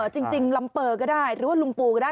จริงลำเปอร์ก็ได้หรือว่าลุงปูก็ได้